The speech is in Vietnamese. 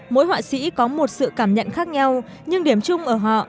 mỗi họa sĩ có một sự cảm nhận khác nhau nhưng điểm chung ở họ